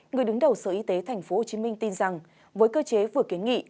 người đứng đầu sở y tế tp hcm tin rằng với cơ chế vừa kiến nghị